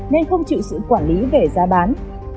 nên không chịu sự quản lý về giá bán